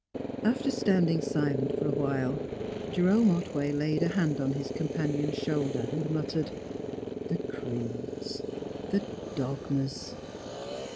After standing silent for a while, Jerome Otway laid a hand on his companion's shoulder, and muttered, "The creeds the dogmas!"